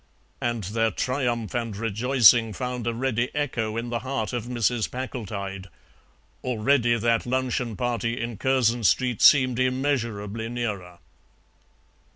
And their triumph and rejoicing found a ready echo in the heart of Mrs. Packletide; already that luncheon party in Curzon Street seemed immeasurably nearer.